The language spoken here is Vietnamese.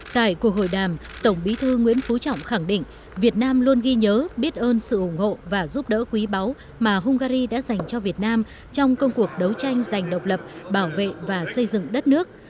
tại cuộc hội đàm tổng bí thư nguyễn phú trọng khẳng định việt nam luôn ghi nhớ biết ơn sự ủng hộ và giúp đỡ quý báu mà hungary đã dành cho việt nam trong công cuộc đấu tranh giành độc lập bảo vệ và xây dựng đất nước